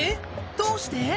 どうして？